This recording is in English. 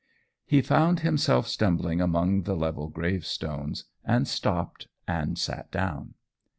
He found himself stumbling among the level gravestones, and stopped and sat down.